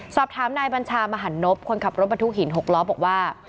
สอบถามนายบัญชามหันนบคนขับรถบรรทุกหิน๖ล้อบอกว่า